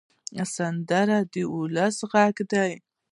سندره د ولس غږ دی